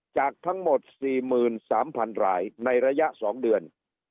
จากทั้งหมด๔๓๐๐๐รายในระยะ๒เดือน